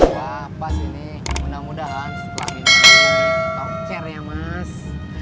wah pas ini mudah mudahan setelah minum ini tokser ya mas